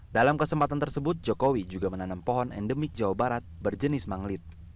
dalam kesempatan tersebut jokowi juga menanam pohon endemik jawa barat berjenis manglit